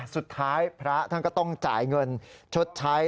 สุดท้ายพระท่านก็ต้องจ่ายเงินชดใช้